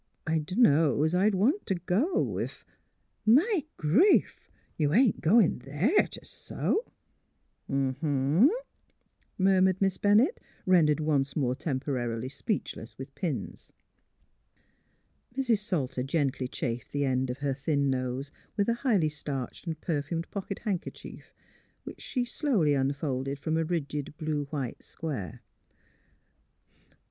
I dunno 's I'd want t' go, if "" My grief! You ain't goin' there t' sew? " MALVINA POINTS A MORAL 175 '* M m huh," murmured Miss Bennett, rendered once more temporarily speechless with pins. Mrs. Salter gently chafed the end of her thin nose with a highly starched and perfumed pocket handkerchief, which she slowly unfolded from a rigid blue white square.